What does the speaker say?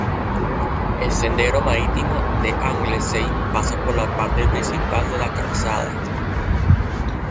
El Sendero Marítimo de Anglesey pasa por la parte principal de la calzada.